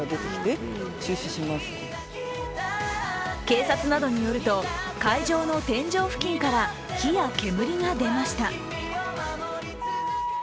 警察などによると、会場の天井付近から火や煙が出ました。